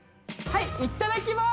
いただきます。